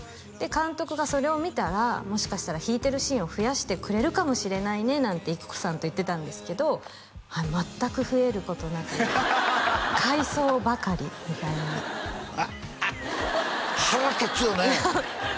監督がそれを見たらもしかしたら弾いてるシーンを増やしてくれるかもしれないねなんて幾子さんと言ってたんですけど全く増えることなく回想ばかりみたいな腹立つよね